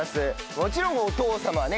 もちろんお父様はね